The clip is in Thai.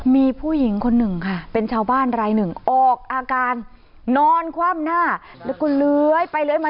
มีผู้หญิงคนหนึ่งค่ะเป็นชาวบ้านรายหนึ่งออกอาการนอนคว่ำหน้าแล้วก็เลื้อยไปเลื้อยมา